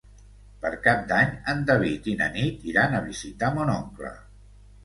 Per Cap d'Any en David i na Nit iran a visitar mon oncle.